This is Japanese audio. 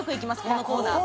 このコーナー